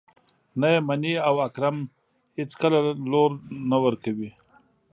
نه يې مني او اکرم اېڅکله لور نه ورکوي.